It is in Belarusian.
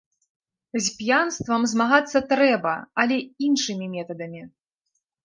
З п'янствам змагацца трэба, але іншымі метадамі.